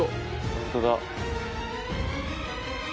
ホントだ。